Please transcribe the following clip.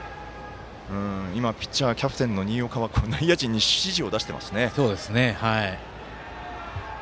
ピッチャー、キャプテンの新岡は内野陣に指示を出していますね。